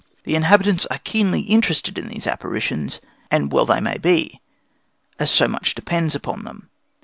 The inhabitants are keenly interested in these apparitions, and well they may be, as so much depends upon them.